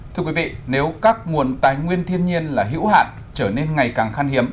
thưa quý vị nếu các nguồn tài nguyên thiên nhiên là hữu hạn trở nên ngày càng khăn hiếm